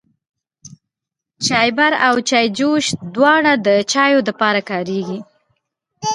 چايبر او چايجوشه دواړه د چايو د پاره کاريږي.